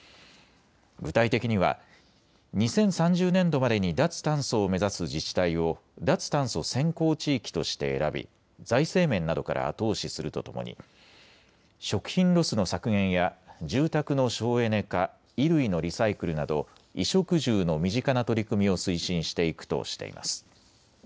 具体的には２０３０年度までに脱炭素を目指す自治体を脱炭素先行地域として選び財政面などから後押しするとともに食品ロスの削減や住宅の省エネ化、衣類のリサイクルなど衣食住の身近な取り組みを推進していくとしています。